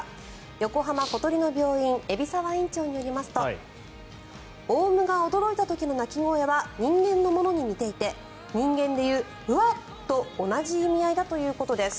横浜小鳥の病院海老沢院長によりますとオウムが驚いた時の鳴き声は人間のものに似ていて人間でいう、うわっ！と同じ意味合いだということです。